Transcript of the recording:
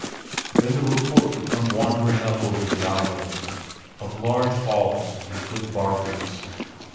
Then the report would come wandering up over the island, of large hauls and good bargains.